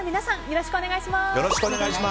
よろしくお願いします。